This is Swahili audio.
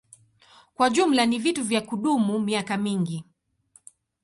Kwa jumla ni vitu vya kudumu miaka mingi.